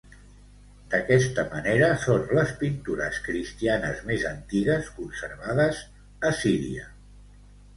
D'aquesta manera, són les pintures cristianes més antigues conservades a Síria.